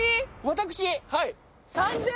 私。